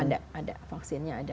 ada ada vaksinnya ada